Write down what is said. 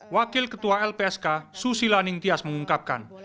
wakil ketua lpsk susi laning tias mengungkapkan